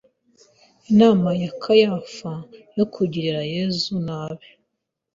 Inama ya Kayafa yo kugirira Yesu nabi